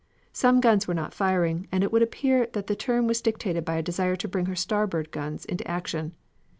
Some guns were not firing, and it would appear that the turn was dictated by a desire to bring her starboard guns into action.